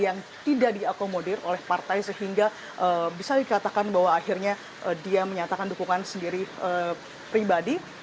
yang tidak diakomodir oleh partai sehingga bisa dikatakan bahwa akhirnya dia menyatakan dukungan sendiri pribadi